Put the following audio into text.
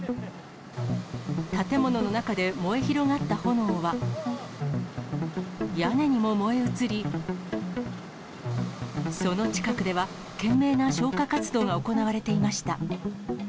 建物の中で燃え広がった炎は、屋根にも燃え移り、その近くでは懸命な消火活動が行われていました。